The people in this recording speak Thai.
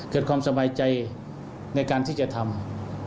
เกิดความสบายใจในการที่จะทำ